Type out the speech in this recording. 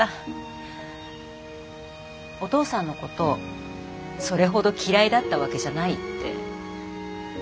お父さんのことそれほど嫌いだったわけじゃないって。